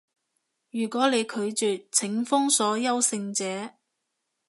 如果你拒絕，請封鎖優勝者